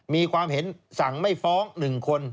มีความเห็นสั่งไม่ฟ้อง๑คน